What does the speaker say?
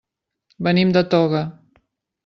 Venim de Toga.